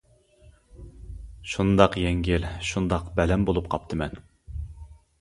شۇنداق يەڭگىل شۇنداق بەلەن بولۇپ قاپتىمەن.